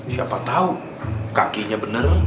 siapa tau kakinya bener